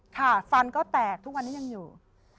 ค่ะฟันก็แตกทุกวันนี้ยังอยู่